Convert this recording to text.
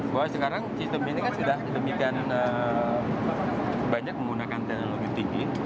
bahwa sekarang sistem ini kan sudah demikian banyak menggunakan teknologi tinggi